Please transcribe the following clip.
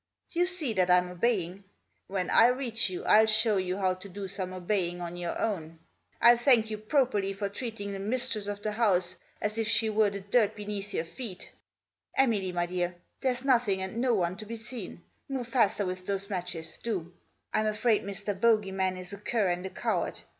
You see that Fm obeying. When I reach you I'll show you how to do some obeying on your own. I'll thank you properly for treating the mistress of the house as if she were the dirt beneath your feet Emily, my dear, there's nothing and no one to be seen ; move faster with those matches do ! Fm afraid Mr. Bogey man is a cur and a coward.